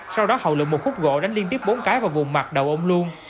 sau đó hậu lựa một khúc gỗ đánh liên tiếp bốn cái vào vùng mặt đầu ông luân